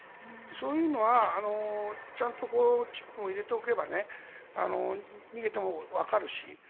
そういうのはちゃんとチップを入れておけば逃げてもわかるし。